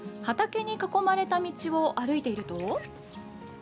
畑に囲まれた道を歩いていると。